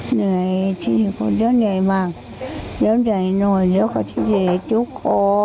เหนื่อยที่เดี๋ยวเหนื่อยมากเดี๋ยวเหนื่อยหน่อยเดี๋ยวก็ที่เดี๋ยวเหนื่อยจุกกอ